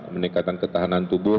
meningkatkan ketahanan tubuh